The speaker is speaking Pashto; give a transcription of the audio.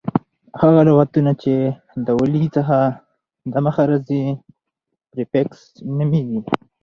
هغه لغتونه، چي د ولي څخه دمخه راځي پریفکس نومیږي.